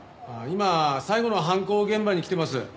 今最後の犯行現場に来てます。